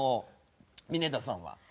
峯田さんは？